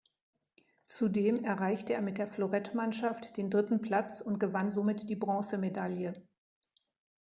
Zudem erreichte er mit der Florett-Mannschaft den dritten Platz und gewann somit die Bronzemedaille.